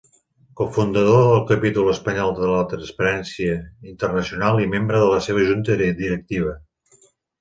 Cofundador del capítol espanyol de Transparència Internacional i membre de la seva junta directiva.